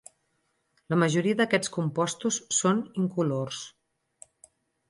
La majoria d'aquests compostos són incolors.